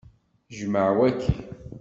Jmeɛ waki!